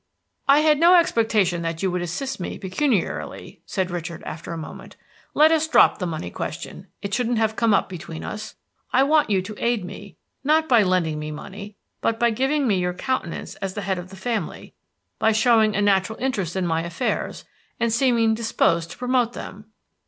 "I had no expectation that you would assist me pecuniarily," said Richard, after a moment. "Let us drop the money question; it shouldn't have come up between us. I want you to aid me, not by lending me money, but by giving me your countenance as the head of the family, by showing a natural interest in my affairs, and seeming disposed to promote them."